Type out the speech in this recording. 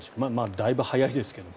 だいぶ早いですけども。